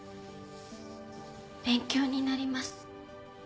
勉強になります。